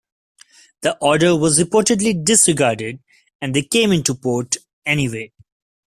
The order was reportedly disregarded and they came into port anyway.